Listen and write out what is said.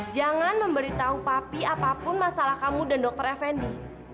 jangan memberitahu papi apapun masalah kamu dan dr effendi